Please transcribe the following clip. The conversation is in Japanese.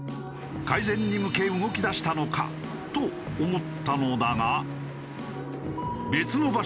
改善に向け動き出したのかと思ったのだが。